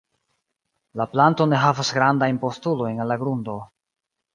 La planto ne havas grandajn postulojn al la grundo.